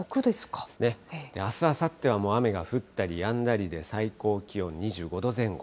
そうですね、あす、あさっては雨が降ったりやんだりで、最高気温２５度前後。